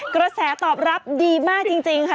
กระแสตอบรับดีมากจริงค่ะ